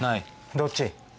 どっち？